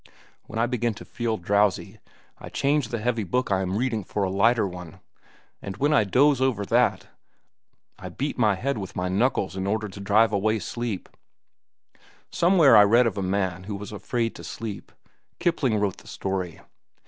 "When I begin to feel drowsy, I change the heavy book I am reading for a lighter one. And when I doze over that, I beat my head with my knuckles in order to drive sleep away. Somewhere I read of a man who was afraid to sleep. Kipling wrote the story.